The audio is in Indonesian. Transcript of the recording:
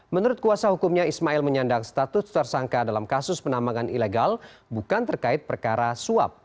menurut kuasa hukumnya ismail menyandang status tersangka dalam kasus penambangan ilegal bukan terkait perkara suap